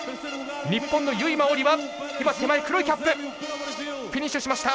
日本の由井真緒里は手前黒いキャップ、フィニッシュ。